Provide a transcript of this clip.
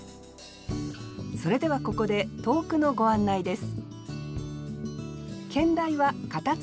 それではここで投句のご案内です